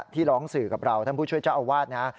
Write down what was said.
ที่ร้องสื่อกับเราท่านผู้ช่วยเจ้าอาวาสนะ